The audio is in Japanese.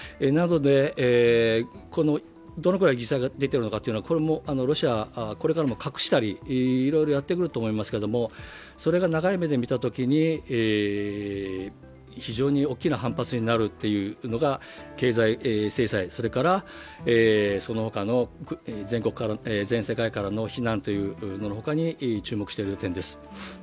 なので、どのくらい犠牲が出ているのか、ロシアはこれからも隠したり、いろいろやってくると思いますけれども、それが長い目で見たときに、非常に大きな反発になるというのが経済制裁、それからその他の全世界らの非難というもののほかに注目している点です。